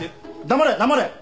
黙れ黙れ！